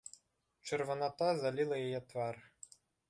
Чырваната заліла яе твар.